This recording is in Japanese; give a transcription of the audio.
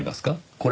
これ。